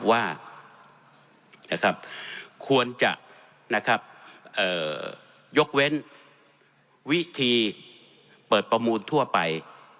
ว่านะครับควรจะนะครับเอ่อยกเว้นวิธีเปิดประมูลทั่วไป